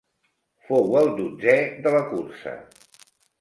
Fou el dotzè de la cursa.